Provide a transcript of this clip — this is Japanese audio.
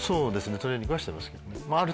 トレーニングはしてますけどね。